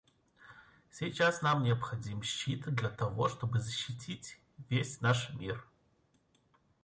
Сейчас нам необходим щит для того, чтобы защитить весь наш мир.